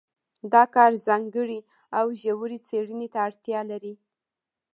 دا کار ځانګړې او ژورې څېړنې ته اړتیا لري.